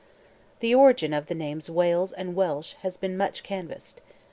The origin of the names Wales and Welsh has been much canvassed.